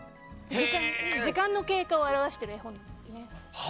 時間の経過を表している絵本なんですね。